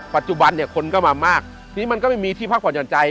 ปัจจุบันคนมามากมันไม่มีที่พักผ่อนย่อนใจ